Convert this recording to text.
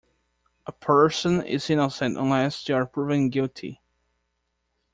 A person is innocent unless they are proven guilty.